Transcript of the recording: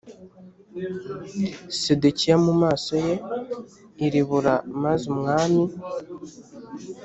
sedekiya mu maso ye i ribula maze umwami